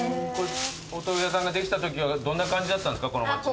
お豆腐屋さんができたときはどんな感じだったんですか？